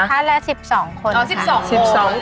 คลาสละ๑๒คนค่ะ